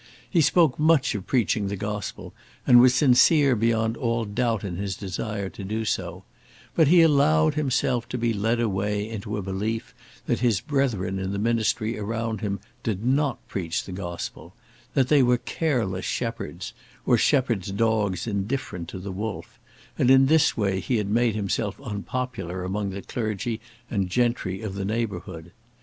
He spoke much of preaching the Gospel, and was sincere beyond all doubt in his desire to do so; but he allowed himself to be led away into a belief that his brethren in the ministry around him did not preach the Gospel, that they were careless shepherds, or shepherds' dogs indifferent to the wolf, and in this way he had made himself unpopular among the clergy and gentry of the neighbourhood.